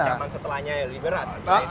ancaman setelahnya yang lebih berat